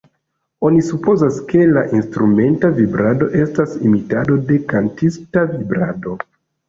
Oni supozas, ke la instrumenta vibrado estas imitado de kantista vibrado.